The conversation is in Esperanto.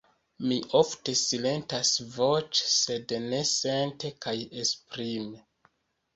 Mi ofte silentas voĉe, sed ne sente kaj esprime.